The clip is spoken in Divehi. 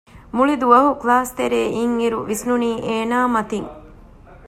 މުޅި ދުވަހު ކްލާސްތެރޭ އިން އިރު ވިސްނުނީ އޭނާ މަތިން